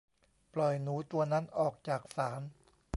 ปล่อยหนูตัวนั้นออกจากศาล